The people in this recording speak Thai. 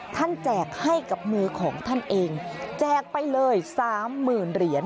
แจกให้กับมือของท่านเองแจกไปเลยสามหมื่นเหรียญ